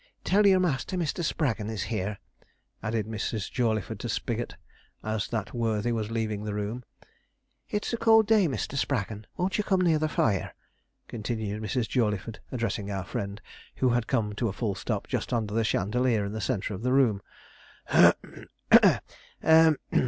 'Tell your master Mr. Spraggon is here,' added Mrs. Jawleyford to Spigot, as that worthy was leaving the room. 'It's a cold day, Mr. Spraggon; won't you come near the fire?' continued Mrs. Jawleyford, addressing our friend, who had come to a full stop just under the chandelier in the centre of the room.